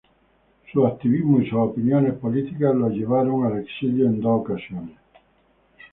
Su activismo y sus opiniones políticas la llevaron al exilio en dos ocasiones.